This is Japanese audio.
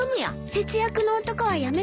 節約の男はやめたの？